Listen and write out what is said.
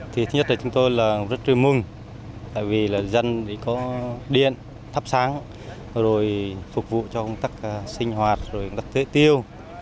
thì thứ nhất là chúng tôi rất truyền mừng tại vì là dân có điện thắp sáng rồi phục vụ cho công tác sinh hoạt rồi công tác tế tiêu